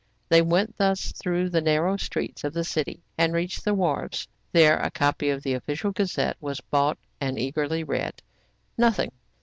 They went thus through the narrow streets of the city, and reached the wharves. There a copy of The Official Gazette*' was bought, and eagerly read. Nothing